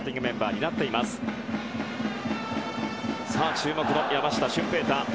注目の山下舜平大